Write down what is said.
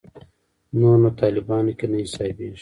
نور نو طالبانو کې نه حسابېږي.